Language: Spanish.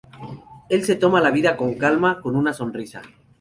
Él se toma la vida con calma, con una sonrisa.